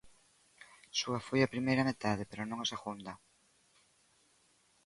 Súa foi a primeira metade, pero non a segunda.